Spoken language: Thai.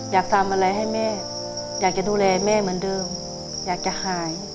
อยากทำอะไรให้แม่อยากจะดูแลแม่เหมือนเดิมอยากจะหาย